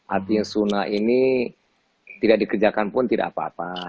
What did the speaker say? artinya sunnah ini tidak dikerjakan pun tidak apa apa